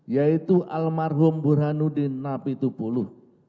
yaitu almarhum burhanuddin nabi tupulu